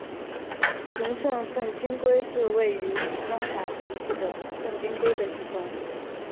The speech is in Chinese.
神圣粪金龟是位于地中海盆地的粪金龟的一种。